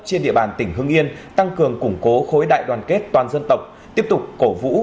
trên địa bàn tỉnh hưng yên tăng cường củng cố khối đại đoàn kết toàn dân tộc tiếp tục cổ vũ